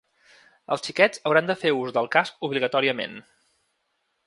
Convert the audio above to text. Els xiquets hauran de fer ús del casc obligatòriament.